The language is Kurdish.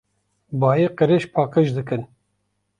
Bayê qirêj paqij dikin.